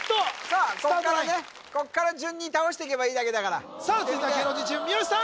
こっから順に倒していけばいいだけだからさあ続いては芸能人チーム三好さん